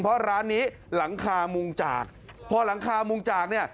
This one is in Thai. เพราะร้านนี้หลังคามุงจากพอหลังคามุงจากเนี่ย